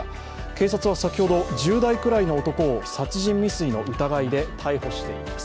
警察は先ほど１０代くらいの男を殺人未遂の疑いで逮捕しています。